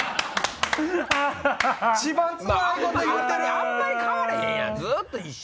あんまり変われへんやんずっと一緒。